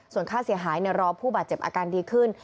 ส่วนค่าเสียหายรอผู้บาดเจ็บอาการดีขึ้น